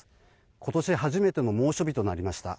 今年初めての猛暑日となりました。